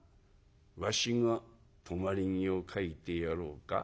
「わしが止まり木を描いてやろうか？」。